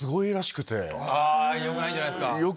あ良くないんじゃないですか？